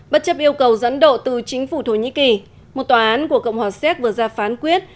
bất chấp yêu cầu dẫn độ từ chính phủ thổ nhĩ kỳ một tòa án của cộng hòa séc vừa ra phán quyết